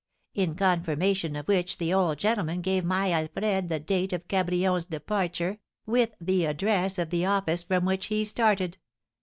In confirmation of which the old gentleman gave my Alfred the date of Cabrion's departure, with the address of the office from which he started."